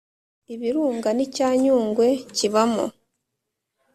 ibirunga nicya Nyungwe kibamo